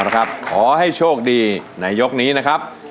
เอาละครับขอให้โชคดีในยกนี้นะครับ